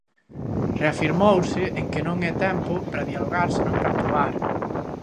Reafirmouse en que non é tempo para dialogar senón para actuar...